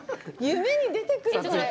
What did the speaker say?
夢に出てくるよ。